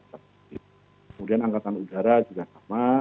kemudian angkatan udara juga sama